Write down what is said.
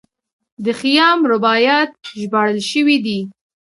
د خیام رباعیات ژباړل شوي دي.